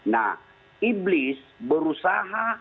nah iblis berusaha